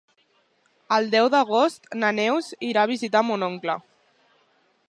El deu d'agost na Neus irà a visitar mon oncle.